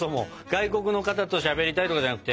外国の方としゃべりたいとかじゃなくて。